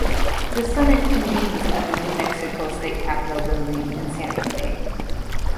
The Senate convenes at the New Mexico State Capitol building in Santa Fe.